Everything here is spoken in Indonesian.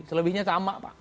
selebihnya sama pak